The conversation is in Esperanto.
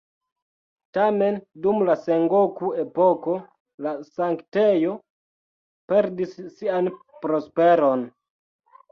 Tamen, dum la Sengoku-epoko la sanktejo perdis sian prosperon.